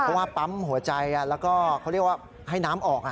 เพราะว่าปั๊มหัวใจแล้วก็เขาเรียกว่าให้น้ำออก